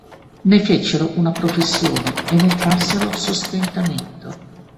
Ne fecero una professione e ne trassero sostentamento.